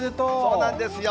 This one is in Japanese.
そうなんですよ。